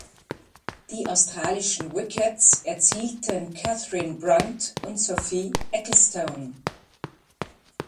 Die australischen Wickets erzielten Katherine Brunt und Sophie Ecclestone.